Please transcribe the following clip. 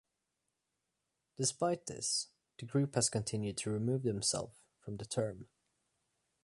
Despite this, the group has continued to remove themselves from the term.